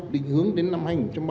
đình hướng đến năm hai nghìn ba mươi